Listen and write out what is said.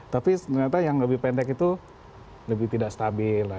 tapi ternyata yang lebih pendek itu lebih tidak stabil